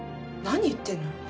何言ってんの？